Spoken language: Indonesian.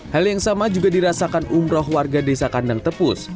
hal yang sama juga dirasakan umroh warga desa kandang tepus